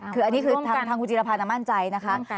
คืออันนี้คือทางคุณจิรพันธ์มั่นใจนะคะ